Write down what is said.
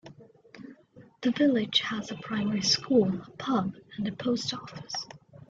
The village has a primary school, a pub and a post office.